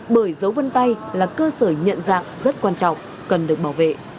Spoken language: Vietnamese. bởi dấu vân tay là cơ sở nhận dạng rất quan trọng cần được bảo vệ